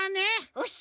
よし。